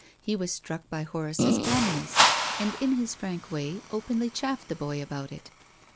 He was struck by Horace's glumness, and in his frank way openly chaffed the boy about it.